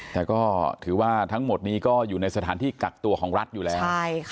แต่ก็ถือว่าทั้งหมดนี้ก็อยู่ในสถานที่กักตัวของรัฐอยู่แล้ว